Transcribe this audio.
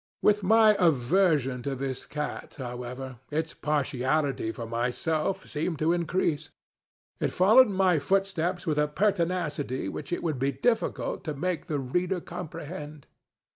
With my aversion to this cat, however, its partiality for myself seemed to increase. It followed my footsteps with a pertinacity which it would be difficult to make the reader comprehend.